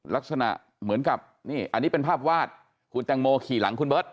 ลักษณะเหมือนกับนี่อันนี้เป็นภาพวาดคุณแตงโมขี่หลังคุณเบิร์ต